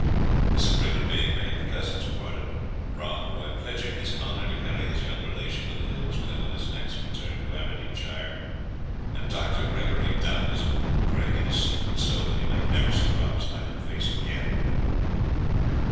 This agreement being made, the cousins parted, Rob Roy pledging his honour to carry his young relation to the hills with him on his next return to Aberdeenshire, and Dr. Gregory, doubtless, praying in his secret soul that he might never see Rob's Highland face again.